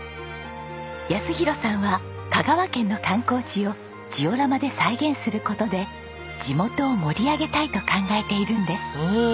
泰弘さんは香川県の観光地をジオラマで再現する事で地元を盛り上げたいと考えているんです。